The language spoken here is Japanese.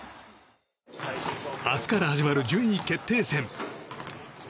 明日から始まる順位決定戦。